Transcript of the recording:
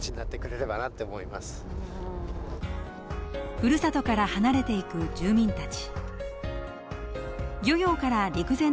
ふるさとから離れていく住民たち。